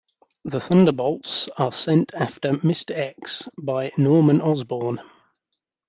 The Thunderbolts are sent after Mister X by Norman Osborn.